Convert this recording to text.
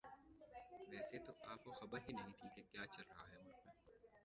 ویسے تو آپ کو خبر ہی نہیں تھی کہ کیا چل رہا ہے ملک میں